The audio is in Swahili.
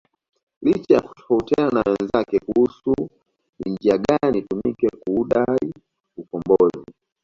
Licha ya kutofautiana na wenzake kuhusu ni njia gani itumike kuudai ukombozi